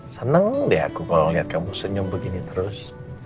seneng deh aku kalo liat kamu senyum begini terus